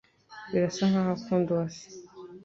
Birasa nkaho akunda Uwase.